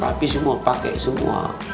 rapi semua pake semua